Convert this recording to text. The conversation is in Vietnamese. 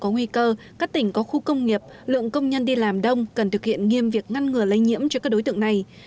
nếu có nguy cơ các tỉnh có khu công nghiệp lượng công nhân đi làm đông cần thực hiện nghiêm việc ngăn ngừa lây nhiễm cho các đối tượng này